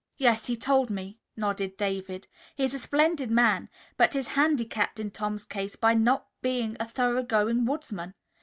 "Yes; he told me," nodded David. "He is a splendid man, but he's handicapped in Tom's case by not being a thorough going woodsman.